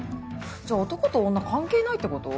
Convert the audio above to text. じゃあ男と女関係ないってこと？